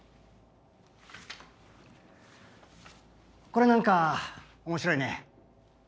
これなんか面白いね。